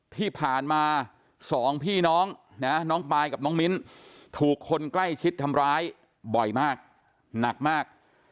ที่ผ่านมาสองพี่น้องนะน้องปายกับน้องมิ้นถูกคนใกล้ชิดทำร้ายบ่อยมากหนักมาก